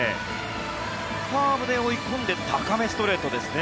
カーブで追い込んで高めストレートですね。